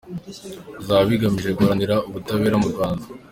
bizaba bigamije guharanira Ubutabera mu Rwanda.